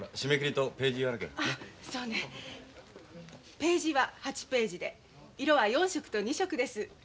ページは８ページで色は４色と２色です。